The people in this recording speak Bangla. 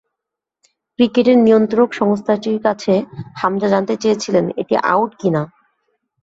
ক্রিকেটের নিয়ন্ত্রক সংস্থাটির কাছে হামজা জানতে চেয়েছিলেন, এটা আউট কি না?